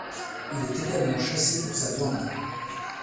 Il est également chassé pour sa viande.